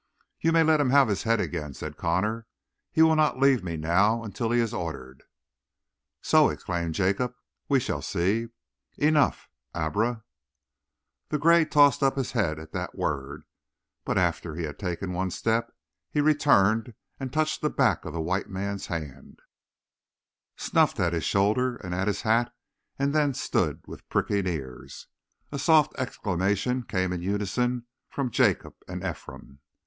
"You may let him have his head again," said Connor. "He will not leave me now until he is ordered." "So?" exclaimed Jacob. "We shall see! Enough Abra!" The gray tossed up his head at that word, but after he had taken one step he returned and touched the back of the white man's hand, snuffed at his shoulder and at his hat and then stood with pricking ears. A soft exclamation came in unison from Jacob and Ephraim.